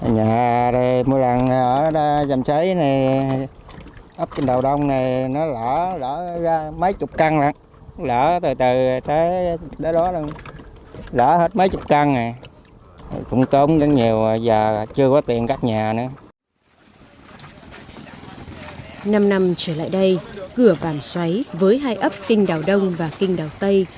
năm năm trở lại đây cửa vàng xoáy với hai ấp kinh đào đông và kinh đào tây